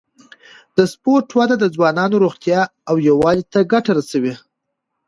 د سپورت وده د ځوانانو روغتیا او یووالي ته ګټه رسوي.